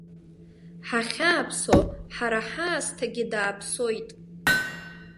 Ҳахьааԥсо ҳара ҳаасҭагь дааԥсоит.